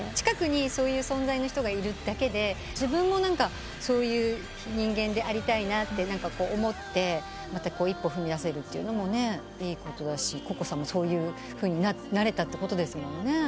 近くにそういう存在の人がいるだけで自分もそういう人間でありたいなって思ってまた一歩踏み出せるというのもねいいことだしＣｏｃｃｏさんもそういうふうになれたってことですもんね。